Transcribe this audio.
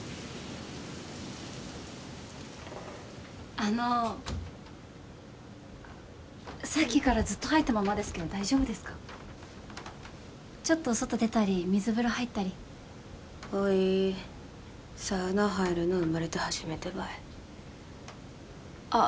あのさっきからずっと入ったままですけど大丈夫ですかちょっと外出たり水風呂入ったりおいサウナ入るの生まれて初めてばいあっ